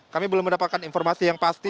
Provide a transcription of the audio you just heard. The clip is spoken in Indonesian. kami belum mendapatkan informasi yang pasti